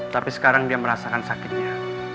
tapi sekarang dia merasakan sakitnya